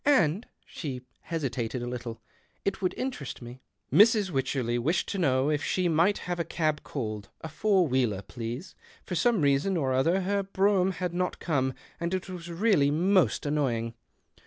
" And "— she hesitated a little —" it /■ould interest me." 174 THE OCTAVE OF CLAUDIUS. Mrs. Wyclierley wished to know if she might have a cab called — a four wheeler, please. For some reason or other her brougham had not come, and it was really most annoying.